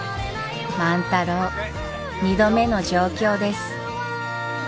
万太郎２度目の上京です。